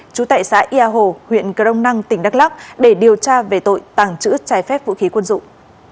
trú tại xã ia hồ huyện crong năng tỉnh đắk lắc để điều tra về tội tàng trữ trái phép vũ khí quân dụng